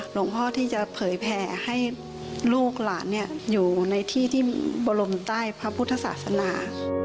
หลวงพ่อที่จะเผยแผ่ให้ลูกหลานอยู่ในที่ที่บรมใต้พระพุทธศาสนา